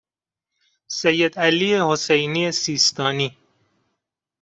سید علی حسینی سیستانی